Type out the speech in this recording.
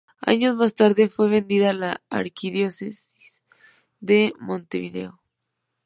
Años mas tarde fue vendida a la Arquidiócesis de Montevideo.